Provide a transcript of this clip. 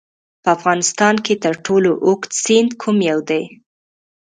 په افغانستان کې تر ټولو اوږد سیند کوم یو دی؟